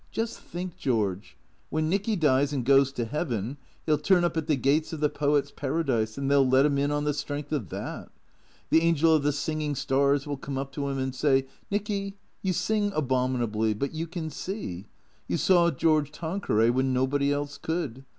Just think, George, when Nicky dies and goes to heaven he'll turn up at the gates of the poets' paradise, and they '11 let him in on the strength of that. The angel of the singing stars will come up to him and say, ' Nicky, you sing abominably, but you can see. You saw George Tanqueray when nobody else could.